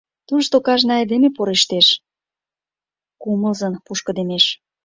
Тушто кажне айдеме порештеш, кумылзын пушкыдемеш...